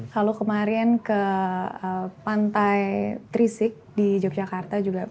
kalau kemarin ke pantai trisik di yogyakarta juga